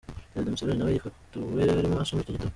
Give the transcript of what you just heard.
Perezida Museveni na we yafotowe arimo asoma icyo gitabo.